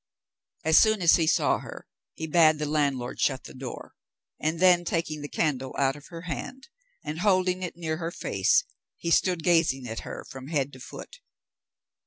As soon as he saw her, he bade the landlord shut the door, and then taking the candle out of her hand; and holding it near her face, he stood gazing at her from head to foot.